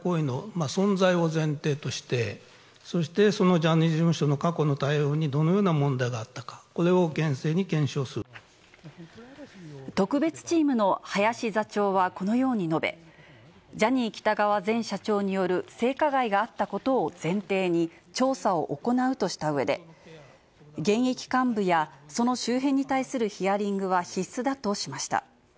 私たちチームは、過去の加害行為の存在を前提として、そしてそのジャニーズ事務所の過去の対応にどのような問題があっ特別チームの林座長はこのように述べ、ジャニー喜多川前社長による性加害があったことを前提に、調査を行うとしたうえで、現役幹部やその周辺に対するヒアリングは必須だとしました。